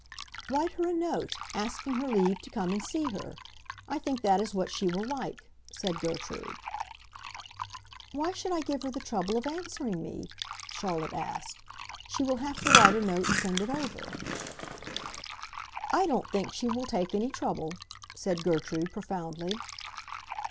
"Write her a note, asking her leave to come and see her. I think that is what she will like," said Gertrude. "Why should I give her the trouble of answering me?" Charlotte asked. "She will have to write a note and send it over." "I don't think she will take any trouble," said Gertrude, profoundly.